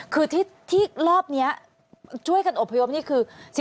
คือที่รอบนี้ช่วยกันอบพยพนี่คือ